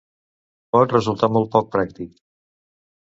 Pot resultar molt poc pràctic.